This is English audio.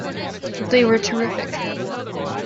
They were terrific.